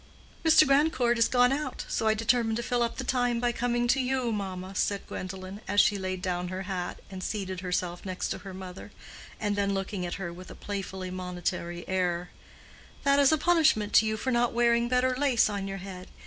"Mr. Grandcourt is gone out, so I determined to fill up the time by coming to you, mamma," said Gwendolen, as she laid down her hat and seated herself next to her mother; and then looking at her with a playfully monitory air, "That is a punishment to you for not wearing better lace on your head.